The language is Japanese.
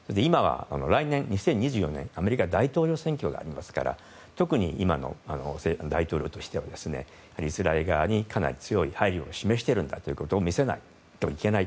来年２０２４年にアメリカの大統領選挙がありますから特に今の大統領としてはイスラエル側にかなり強い配慮を示しているんだということを見せないといけない。